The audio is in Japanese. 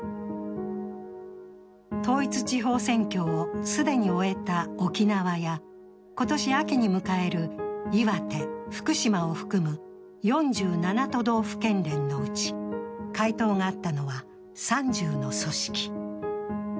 統一地方選挙を既に終えた沖縄や今年秋に迎える岩手、福島を含む４７都道府県連のうち回答があったのは３０の組織。